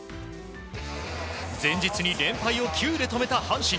前日で連敗を９で止めた阪神。